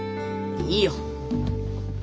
いいよ！